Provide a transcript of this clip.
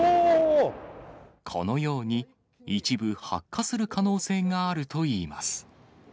このように、一部発火する可能性があるといいます。